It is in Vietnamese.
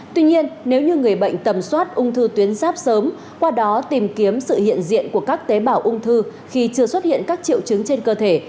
tuy nhiên nếu như người bệnh tầm soát ung thư tuyến giáp sớm qua đó tìm kiếm sự hiện diện của các tế bào ung thư khi chưa xuất hiện các triệu chứng trên cơ thể